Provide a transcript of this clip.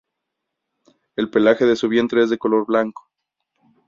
El pelaje de su vientre es de color blanco.